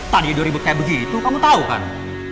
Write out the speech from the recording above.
tak ada yang diuribut kayak begitu kamu tau kan